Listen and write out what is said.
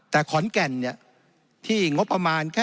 แต่ขอนแก่นเนี่ยที่งบประมาณ